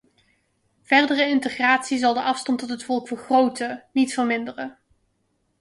Verdere integratie zal de afstand tot het volk vergroten, niet verminderen.